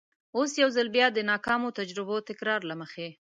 اوس یو ځل بیا د ناکامو تجربو تکرار له مخې.